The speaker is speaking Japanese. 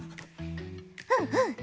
うんうん！